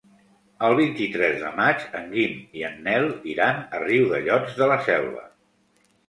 El vint-i-tres de maig en Guim i en Nel iran a Riudellots de la Selva.